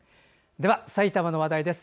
では、埼玉の話題です。